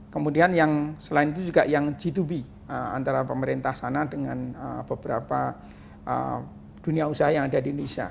kemudian yang selain itu juga yang g dua b antara pemerintah sana dengan beberapa dunia usaha yang ada di indonesia